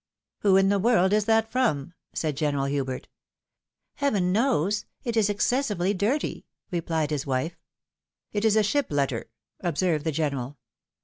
" Who in the world is that from ?" said General Hubert. " Heaven knows ! It is excessively dirty," rephed his wife. •" It is a ship letter," observed the general.